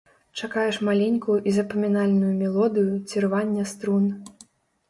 Чакаеш маленькую і запамінальную мелодыю ці рвання струн.